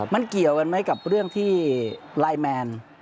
มันเกี่ยวกันไหมกับเรื่องที่ไลน์แมน